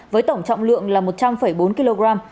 với tổng trọng lượng là một trăm linh bốn kg